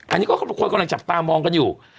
อันนี้ก็เขาบอกคนกำลังจับตามองกันอยู่